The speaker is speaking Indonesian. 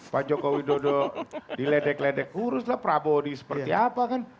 pak joko widodo diledek ledek kurus lah prabowo di seperti apa kan